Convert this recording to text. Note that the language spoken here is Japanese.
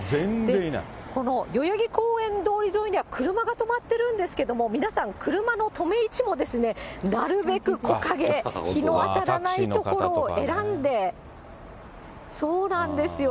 この代々木公園通り沿いには、車が止まってるんですけれども、皆さん、車の止め位置もなるべく木陰、日の当たらない所を選んで、そうなんですよ。